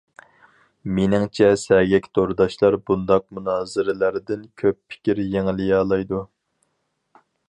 مېنىڭچە سەگەك تورداشلار بۇنداق مۇنازىرىلەردىن كۆپ پىكىر يېڭىلىيالايدۇ.